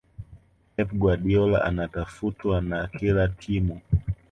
pep guardiola anatafutwa na kila timu